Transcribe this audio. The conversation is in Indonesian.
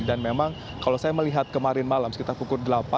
dan memang kalau saya melihat kemarin malam sekitar pukul delapan